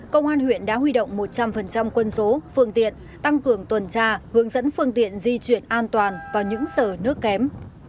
công an huyện đã huy động một trăm linh quân số phương tiện tăng cường tuần tra hướng dẫn phương tiện di chuyển an toàn vào những sở nước kém